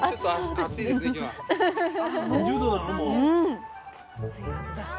暑いはずだ。